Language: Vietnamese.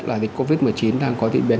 là dịch covid một mươi chín đang có diễn biến